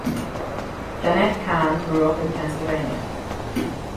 Jenette Kahn grew up in Pennsylvania.